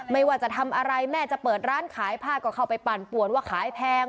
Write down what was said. ไม่ว่าจะทำอะไรแม่จะเปิดร้านขายผ้าก็เข้าไปปั่นป่วนว่าขายแพง